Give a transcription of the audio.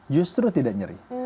justru tidak nyeri